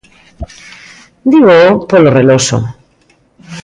Dígoo polo reloxo.